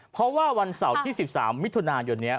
เพราะว่าวันเสาร์ที่๑๓มิถุนายนนี้